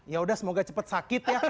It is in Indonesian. ya udah semoga cepat sakit ya